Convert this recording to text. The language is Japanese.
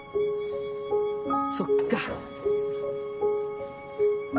そっか。